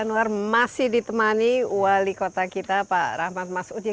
terima kasih itulah untuk ekipiksisi